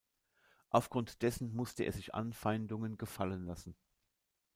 Aufgrund dessen musste er sich Anfeindungen gefallen lassen.